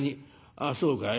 「ああそうかい。